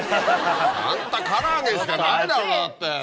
「さんたからあげ」しかないだろだって。